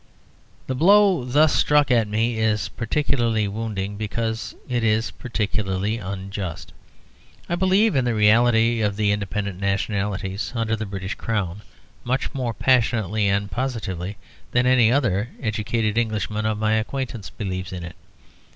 The blow thus struck at me is particularly wounding because it is particularly unjust. I believe in the reality of the independent nationalities under the British Crown much more passionately and positively than any other educated Englishman of my acquaintance believes in it.